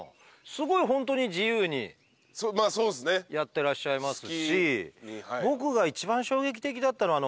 すごいホントに自由にやってらっしゃいますし僕が一番衝撃的だったのは。